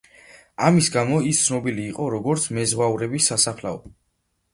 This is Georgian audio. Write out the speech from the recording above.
ამის გამო ის ცნობილი იყო როგორც მეზღვაურების სასაფლაო.